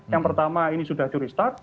yang pertama ini sudah curi start